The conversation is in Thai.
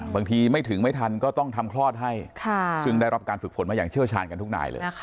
ไม่ถึงไม่ทันก็ต้องทำคลอดให้ซึ่งได้รับการฝึกฝนมาอย่างเชี่ยวชาญกันทุกนายเลย